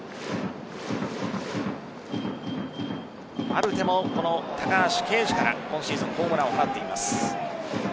マルテも高橋奎二から今シーズンホームランを放っています。